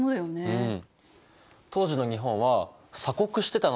うん。